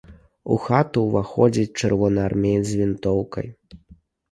У хату ўваходзіць чырвонаармеец з вінтоўкай.